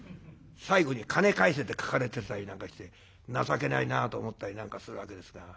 最後に「金返せ」って書かれてたりなんかして情けないなあと思ったりなんかするわけですが。